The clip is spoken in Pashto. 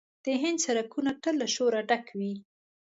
د هند سړکونه تل له شوره ډک وي.